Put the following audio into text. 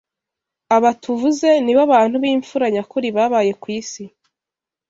Aba tuvuze ni bo bantu b’impfura nyakuri babaye ku isi